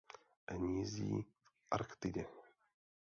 Hnízdí v Arktidě.